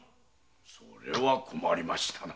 それは困りましたな。